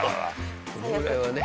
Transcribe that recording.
このぐらいはね。